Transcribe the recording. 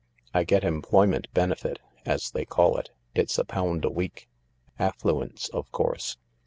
I get employment benefit, as they call it. It's a pound a week. Affluence, of course.